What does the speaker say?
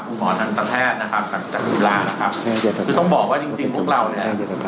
คุณหมอทางตัวแพทย์นะครับจากธุรานะครับคือต้องบอกว่าจริงจริงพวกเราเนี้ย